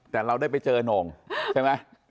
แต่เราได้ไปเจอโหน่งใช่ไหม